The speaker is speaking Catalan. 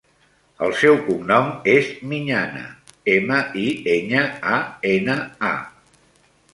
El seu cognom és Miñana: ema, i, enya, a, ena, a.